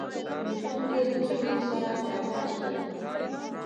د لوستونکې له سویې سره برابره ژبه وي